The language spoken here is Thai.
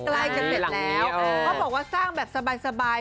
ใกล้กันเสร็จแล้วเขาบอกว่าสร้างแบบสบาย